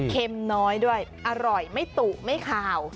เข็มน้อยด้วยอร่อยไม่ตู่ไม่คาว